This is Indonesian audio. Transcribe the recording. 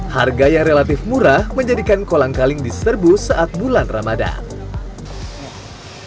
harga yang relatif murah menjadikan kolang kaling diserbu saat bulan ramadan